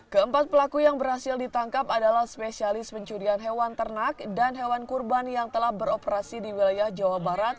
keempat pelaku yang berhasil ditangkap adalah spesialis pencurian hewan ternak dan hewan kurban yang telah beroperasi di wilayah jawa barat